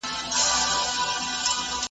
شته من هم له بدبویي سره عادت سو ,